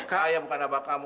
kak ayah bukan abah kamu